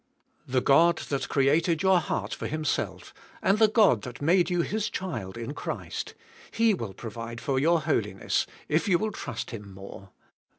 The God that created your heart for Himself, and the God that made you His child in Christ; He will provide for your holi ness if you will trust Him more.